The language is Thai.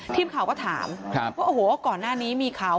ทีมข่าวก็ถามว่าโอ้โหก่อนหน้านี้มีข่าว